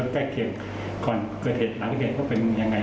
แต่เป็นรถแท็กซี่